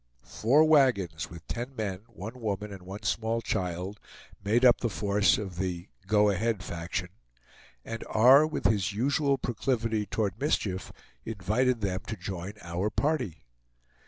Four wagons, with ten men, one woman, and one small child, made up the force of the "go ahead" faction, and R., with his usual proclivity toward mischief, invited them to join our party.